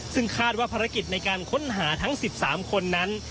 ซึ่งคาดว่าภารกิจในการค้นหาทั้ง๑๓คนนั้น